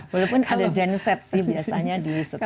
walaupun ada genset sih biasanya di wiset ya